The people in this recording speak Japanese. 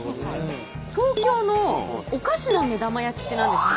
東京の「お菓子な目玉焼き」って何ですか？